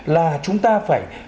là chúng ta phải